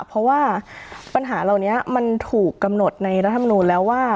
เพราะว่าปัญหาเหล่านี้มันถูกกำหนดในรัฐมนูลแล้วว่า